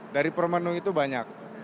dari permenu itu banyak